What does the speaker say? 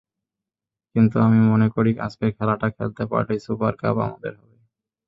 কিন্তু আমি মনে করি, আজকের খেলাটা খেলতে পারলেই সুপার কাপ আমাদের হবে।